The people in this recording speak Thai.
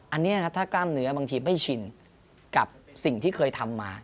อันนี้ถ้ากล้ามเนื้อบางทีไม่ชินกับสิ่งที่เคยทำมา